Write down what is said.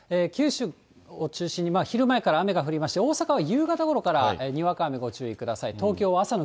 九州を中心に昼前から雨が降りまして、大阪は夕方ごろからにわか雨ご注意ください。